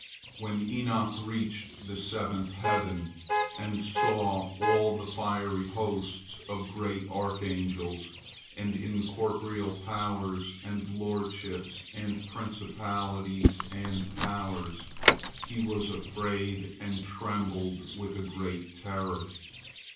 When Enoch reached the seventh heaven, and saw all the fiery hosts of great archangels and incorporeal powers and lordships and principalities and powers, he was afraid and trembled with a great terror.